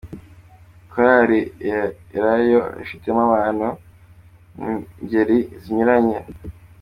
Korali Elayo ifitemo abantu bo mu ngeri zinyuranye,.